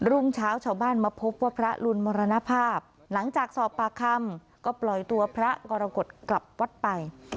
รุ่งเช้าชาวบ้านมาพบว่าพระรุนมรณภาพหลังจากสอบปากคำก็ปล่อยตัวพระกรกฎกลับวัดไป